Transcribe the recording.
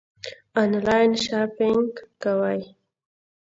آنلاین شاپنګ کوئ؟